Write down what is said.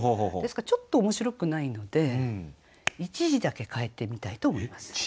ですからちょっと面白くないので１字だけ変えてみたいと思います。